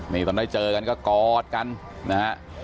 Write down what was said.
นี่ตอนได้เจอกันก็กอดกันนะฮะ